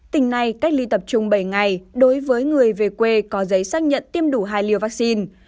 tỉnh này cách ly tập trung bảy ngày đối với người về quê có giấy xác nhận tiêm đủ hai liều vaccine